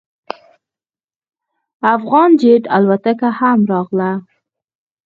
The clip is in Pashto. افغان جیټ الوتکه هم راغله.